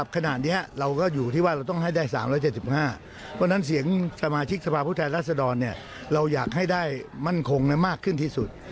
ขณะนี้เราก็อยู่ที่ว่าเราต้องให้ได้๓๗๕เพราะฉะนั้นเสียงสมาชิกสภาพผู้แทนรัศดรเราอยากให้ได้มั่นคงมากขึ้นที่สุด